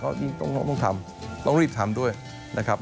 ก็ต้องทำต้องรีบทำด้วยนะครับ